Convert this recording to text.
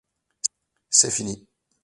C’est fini.